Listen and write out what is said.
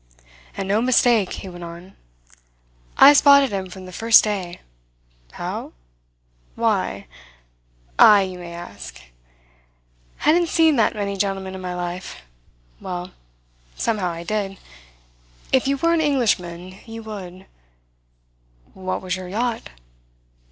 "And no mistake," he went on. "I spotted him from the first day. How? Why? Ay, you may ask. Hadn't seen that many gentlemen in my life. Well, somehow I did. If you were an Englishman, you would " "What was your yacht?"